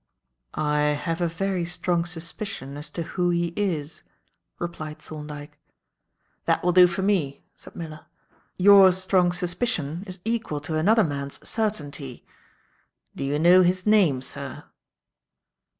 "I have a very strong suspicion as to who he is," replied Thorndyke. "That will do for me," said Miller. "Your strong suspicion is equal to another man's certainty. Do you know his name, sir?"